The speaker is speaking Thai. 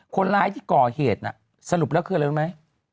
คนร้ายที่ก่อเหตุน่ะสรุปแล้วคืออะไรรู้ไหม